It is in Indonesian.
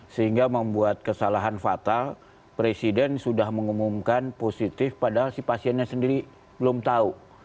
sehingga membuat kesalahan fatal presiden sudah mengumumkan positif padahal si pasiennya sendiri belum tahu